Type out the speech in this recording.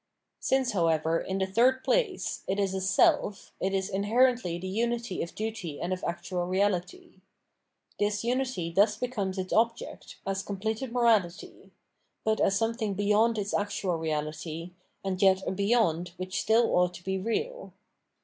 Since, however, in the third place, it is a self, it is inherently the unity of duty and actual reality. This 623 The Moral View of the World unity tkus becomes its object, as completed morality — but as something beyond its actual reality, and yet a " beyond " which still ought to be real.